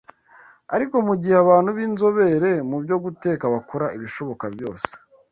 Ariko mu gihe abantu b’inzobere mu byo guteka bakora ibishoboka byose